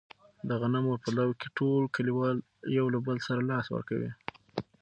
د غنمو په لو کې ټول کلیوال یو له بل سره لاس ورکوي.